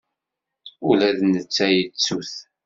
Ula d netta yettu-t.